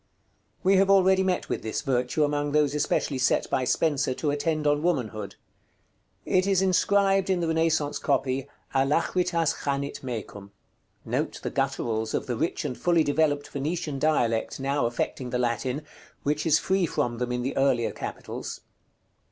We have already met with this virtue among those especially set by Spenser to attend on Womanhood. It is inscribed in the Renaissance copy, "ALACHRITAS CHANIT MECUM." Note the gutturals of the rich and fully developed Venetian dialect now affecting the Latin, which is free from them in the earlier capitals.